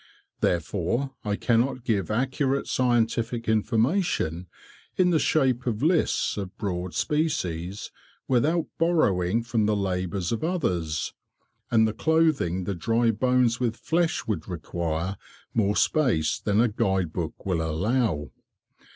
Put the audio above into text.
Therefore I cannot give accurate scientific information, in the shape of lists of Broad species without borrowing from the labours of others, and the clothing the dry bones with flesh would require more space than a guide book will allow.